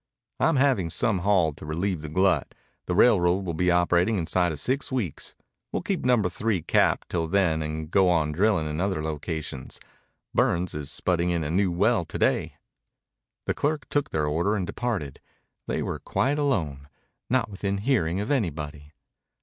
"I'm having some hauled to relieve the glut. The railroad will be operating inside of six weeks. We'll keep Number Three capped till then and go on drilling in other locations. Burns is spudding in a new well to day." The clerk took their order and departed. They were quite alone, not within hearing of anybody.